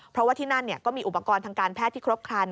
เพราะว่าที่นั่นก็มีอุปกรณ์ทางการแพทย์ที่ครบครัน